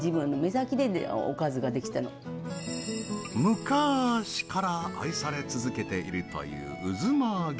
昔から愛され続けているといううづまあげ。